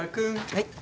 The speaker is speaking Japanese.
はい。